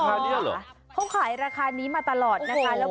เขาขายราคานี้มาตลอดนะคะ